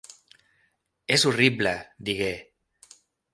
"És horrible", digué.